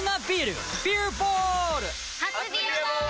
初「ビアボール」！